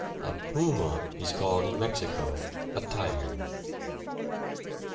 A puma is called in Mexico a tiger.